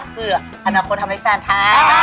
คืออนาคตทำให้แฟนค่ะ